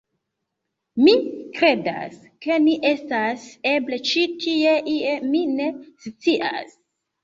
Mi kredas, ke ni estas eble ĉi tie ie... mi ne scias...